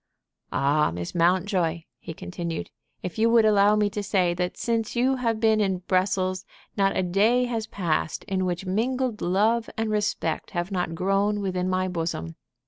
"Ah, Miss Mountjoy," he continued, "if you would allow me to say that since you have been at Brussels not a day has passed in which mingled love and respect have not grown within my bosom.